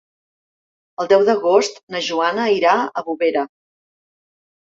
El deu d'agost na Joana irà a Bovera.